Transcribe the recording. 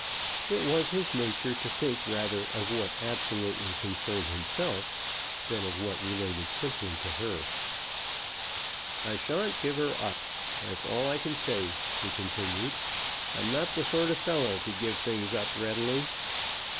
It was his nature to think rather of what absolutely concerned himself, than of what related simply to her. "I shan't give her up. That's all I can say," he continued. "I'm not the sort of fellow to give things up readily."